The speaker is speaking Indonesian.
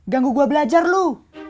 ganggu gue belajar lu